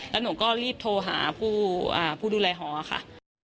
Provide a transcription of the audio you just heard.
แล้วหนูก็รีบโทรหาผู้ดูแลหอค่ะ